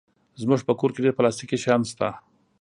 زموږ په کور کې ډېر پلاستيکي شیان شته.